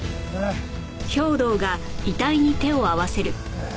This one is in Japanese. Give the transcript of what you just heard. ああ。